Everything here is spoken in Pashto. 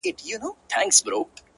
سترگي لكه دوې ډېوې ـ